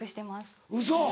ウソ！